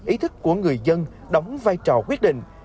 ý thức của người dân đóng vai trò quyết định